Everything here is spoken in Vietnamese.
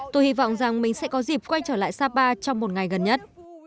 tôi hy vọng rằng mình sẽ có dịp quay trở lại sapa trong một ngày gần nhất